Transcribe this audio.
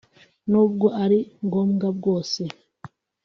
n’ubwo ari ngombwa bwose